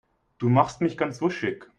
Du machst mich ganz wuschig.